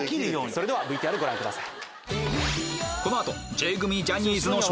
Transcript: それではＶＴＲご覧ください。